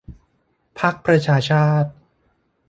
พรรคประชาชาติ